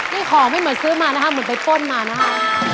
นี่ของไม่เหมือนซื้อมานะคะเหมือนไปป้นมานะคะ